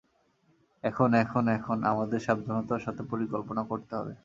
এখন, এখন, এখন আমাদের সাবধানতার সাথে পরিকল্পনা করতে হবে।